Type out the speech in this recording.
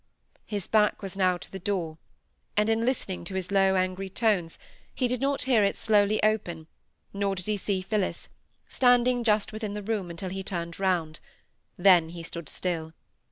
His back was now to the door, and, in listening to his low angry tones, he did not hear it slowly open, nor did he see Phillis, standing just within the room, until he turned round; then he stood still.